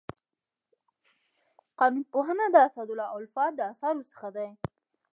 قانون پوهنه د اسدالله الفت د اثارو څخه دی.